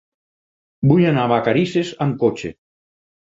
Vull anar a Vacarisses amb cotxe.